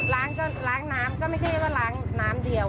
ล้างก็ล้างน้ำก็ไม่ใช่ว่าล้างน้ำเดียว